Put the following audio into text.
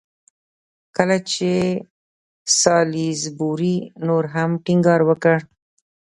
کله چې سالیزبوري نور هم ټینګار وکړ.